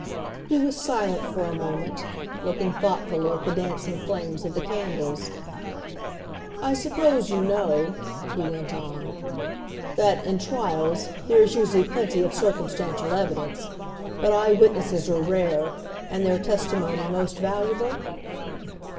He was silent for a moment, looking thoughtfully at the dancing flames of the candles. "I suppose you know," he went on, "that, in trials there is usually plenty of circumstantial evidence, but eye witnesses are rare and their testimony most valuable?"